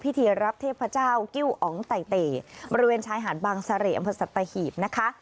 รับเทพเจ้ากิ้วอ๋องไตเตบริเวณชายหาดบางเสร่อำเภอสัตหีบนะคะ